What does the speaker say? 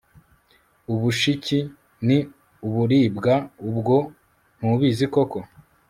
ubushiki ni uburibwa ubwo ntubizi koko